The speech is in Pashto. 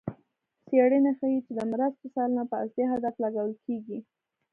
څېړنې ښيي چې د مرستو سلنه په اصلي هدف لګول کېږي.